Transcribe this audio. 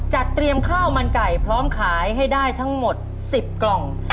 เตรียมข้าวมันไก่พร้อมขายให้ได้ทั้งหมด๑๐กล่อง